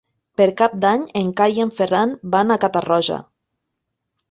Per Cap d'Any en Cai i en Ferran van a Catarroja.